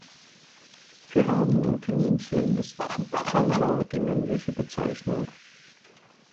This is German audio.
Für Hasen und Kaninchen ist Rammler die männliche Bezeichnung.